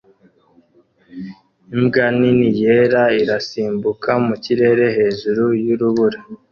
Imbwa nini yera irasimbuka mu kirere hejuru yurubura